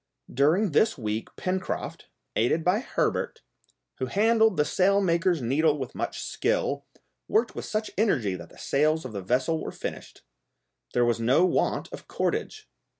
During this week Pencroft, aided by Herbert, who handled the sail maker's needle with much skill, worked with such energy that the sails of that vessel were finished. There was no want of cordage.